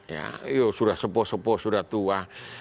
ya sudah sepo sepo sudah tua